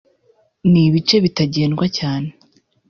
n’ ibice bitagendwa cyane